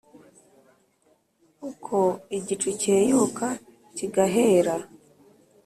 uko igicu cyeyuka kigahera,